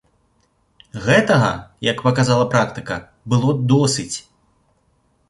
Гэтага, як паказала практыка, было досыць.